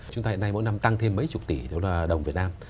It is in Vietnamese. chúng ta hiện nay mỗi năm tăng thêm mấy chục tỷ đồng việt nam